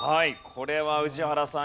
これは宇治原さん